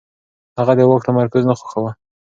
هغه د واک تمرکز نه خوښاوه.